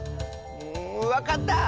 んわかった！